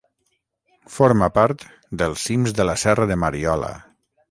Forma part dels cims de la serra de Mariola.